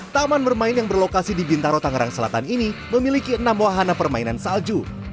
taman bermain yang berlokasi di bintaro tangerang selatan ini memiliki enam wahana permainan salju